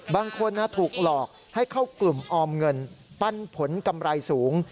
บางคนถูกหลอกให้เข้ากลุ่มออมเงินปันผลกำไรสูง